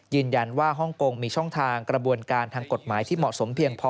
ฮ่องกงมีช่องทางกระบวนการทางกฎหมายที่เหมาะสมเพียงพอ